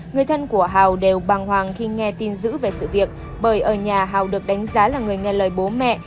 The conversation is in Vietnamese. người thân của hào đều bàng hoàng khi nghe tin giữ về sự việc bởi ở nhà hào được đánh giá là người nghe lời bố mẹ